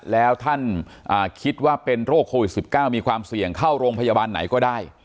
แล้วท่านคิดว่าเป็นโรคโควิด๑๙มีความเสี่ยงเข้าโรงพยาบาลไหนก็ได้